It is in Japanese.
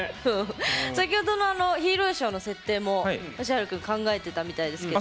先ほどのヒーローショーの設定も、よしはる君が考えてたみたいですけど。